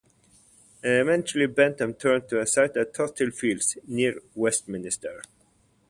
Eventually Bentham turned to a site at Tothill Fields, near Westminster.